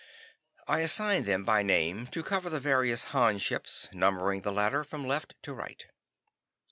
I assigned them by name to cover the various Han ships, numbering the latter from left to right.